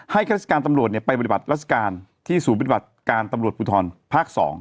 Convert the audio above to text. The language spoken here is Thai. ให้คลาสการตำรวจไปบริบัติรัฐการณ์ที่สู่บริบัติการตำรวจปภูเทิงภาค๒